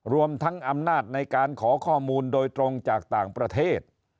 รวมทั้งอำนาจในการขอข้อมูลโดยตรงจากต่างประเทศ